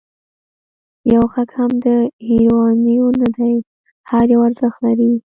یو غږ هم د هېروانیو نه دی، هر یو ارزښت لري.